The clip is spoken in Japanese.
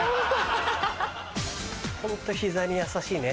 ホント膝に優しいね。